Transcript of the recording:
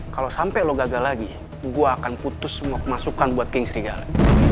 kalau sampai lo gagal lagi gue akan putus semua masukan buat king serigala